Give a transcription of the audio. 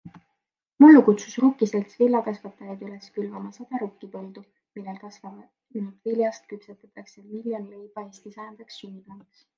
Mullu kutsus rukkiselts viljakasvatajaid üles külvama sada rukkipõldu, millel kasvanud viljast küpsetatakse miljon leiba Eesti sajandaks sünnipäevaks.